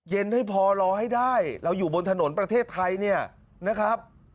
เย็นให้พอรอให้ได้เราอยู่บนถนนประเทศไทยเนี่ยนะครับ